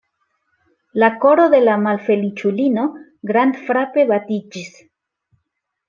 La koro de la malfeliĉulino grandfrape batiĝis.